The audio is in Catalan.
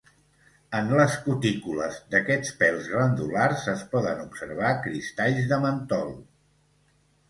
En les cutícules d'aquests pèls glandulars, es poden observar cristalls de mentol.